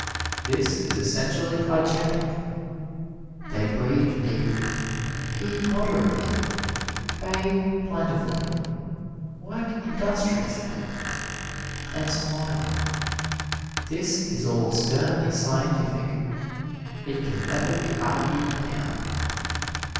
This is essentially hygienic. They breathe deeply, eat moderately, bathe plentifully, work industriously and smile. This is all sternly scientific. It can never be argued down.